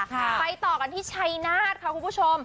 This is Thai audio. ไปต่อกันที่ชัยนาธค่ะคุณผู้ชม